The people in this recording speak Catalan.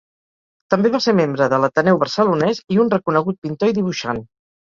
També va ser membre de l'Ateneu Barcelonès i un reconegut pintor i dibuixant.